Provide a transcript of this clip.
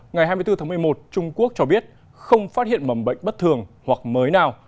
ngày hai mươi bốn tháng một mươi một trung quốc cho biết không phát hiện mầm bệnh bất thường hoặc mới nào